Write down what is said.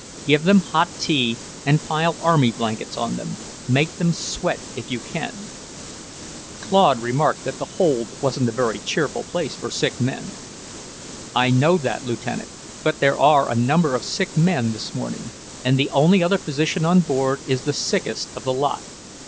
"Give them hot tea, and pile army blankets on them. Make them sweat if you can." Claude remarked that the hold wasn't a very cheerful place for sick men. "I know that, Lieutenant, but there are a number of sick men this morning, and the only other physician on board is the sickest of the lot.